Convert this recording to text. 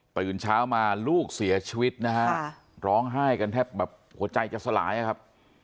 ตื่นเช้ามาลูกเสียชีวิตนะฮะร้องไห้กันแทบแบบหัวใจจะสลายนะครับ